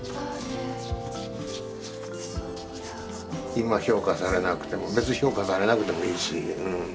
今評価されなくても別に評価されなくてもいいし。